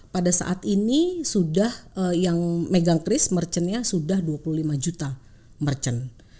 pada saat ini sudah yang megang kris merchannya sudah dua puluh lima juta merchant